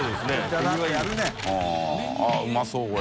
△うまそうこれ。